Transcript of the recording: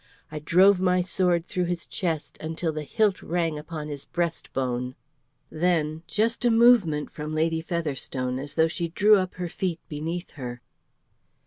I drove my sword through his chest until the hilt rang upon his breast bone." Then just a movement from Lady Featherstone as though she drew up her feet beneath her.